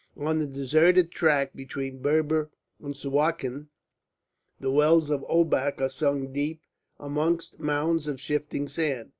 On the deserted track between Berber and Suakin the wells of Obak are sunk deep amongst mounds of shifting sand.